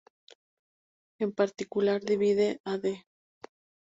En particular divide a "d".